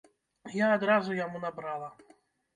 Я адразу яму набрала.